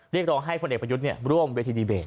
เรียกร้องให้พลเอกประยุทธ์ร่วมเวทีดีเบต